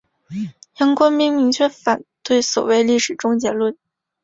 杨光斌明确反对所谓历史终结论。